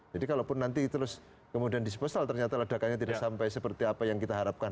jadi kalau pun nanti terus kemudian disposal ternyata ledakannya tidak sampai seperti apa yang kita harapkan